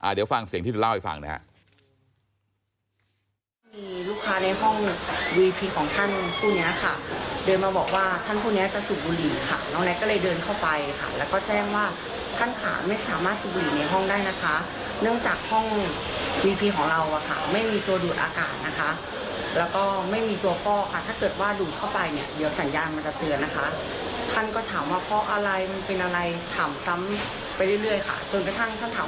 เดี๋ยวฟังเสียงที่เธอเล่าให้ฟังนะครับ